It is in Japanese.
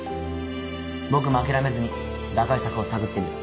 僕も諦めずに打開策を探ってみる。